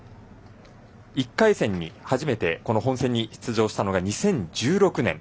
１回戦に初めて本戦に出場したのが２０１６年。